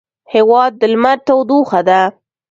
هېواد د لمر تودوخه ده.